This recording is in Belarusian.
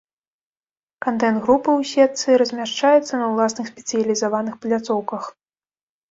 Кантэнт групы ў сетцы размяшчаецца на ўласных спецыялізаваных пляцоўках.